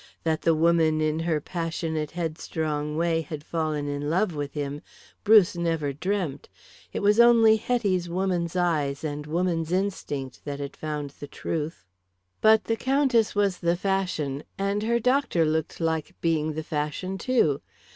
That the woman in her passionate, headstrong way had fallen in love with him Bruce never dreamt. It was only Hetty's woman's eyes and woman's instinct that had found the truth. But the Countess was the fashion, and her doctor looked like being the fashion, too.